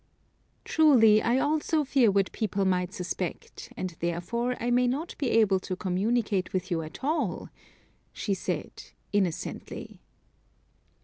"Truly, I also fear what people might suspect; and, therefore, I may not be able to communicate with you at all," said she, innocently.